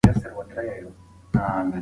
ماشوم باید په عبادت کې مداخله نه وای کړې.